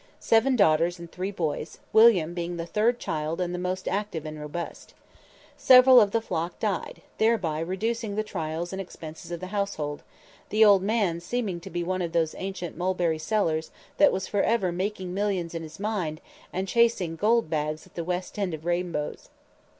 Seven daughters and three boys, William being the third child and the most active and robust. Several of the flock died, thereby reducing the trials and expenses of the household; the "old man" seeming to be one of those ancient "Mulberry Sellers," that was forever making "millions" in his mind, and chasing gold bags at the west end of rainbows!